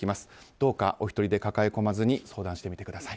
どうかお一人で抱え込まずに相談してみてください。